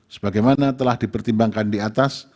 sebagaimana telah dipertimbangkan di atas